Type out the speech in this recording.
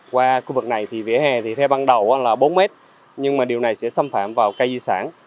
qua khu vực này thì vỉa hè thì theo ban đầu là bốn mét nhưng mà điều này sẽ xâm phạm vào cây di sản